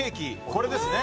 これですね。